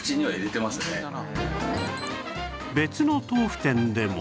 別の豆腐店でも